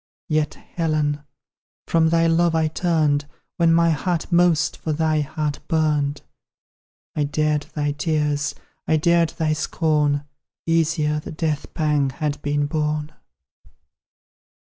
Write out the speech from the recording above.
Yet, Helen! from thy love I turned, When my heart most for thy heart burned; I dared thy tears, I dared thy scorn Easier the death pang had been borne.